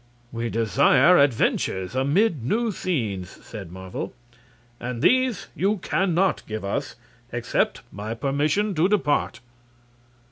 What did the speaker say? "We desire adventures amid new scenes," said Marvel, "and these you can not give us except by permission to depart."